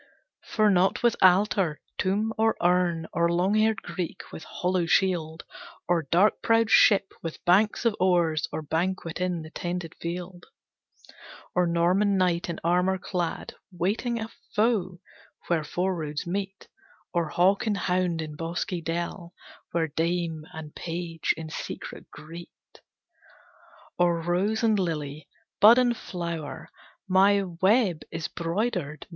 For not with altar, tomb, or urn, Or long haired Greek with hollow shield, Or dark prowed ship with banks of oars, Or banquet in the tented field; Or Norman knight in armor clad, Waiting a foe where four roads meet; Or hawk and hound in bosky dell, Where dame and page in secret greet; Or rose and lily, bud and flower, My web is broidered.